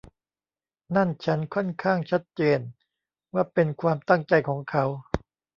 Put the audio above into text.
นั่นฉันค่อนข้างชัดเจนว่าเป็นความตั้งใจของเขา